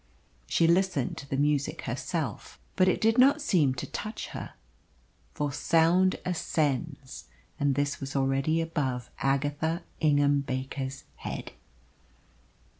She listened to the music herself, but it did not seem to touch her. For sound ascends, and this was already above Agatha Ingham Baker's head.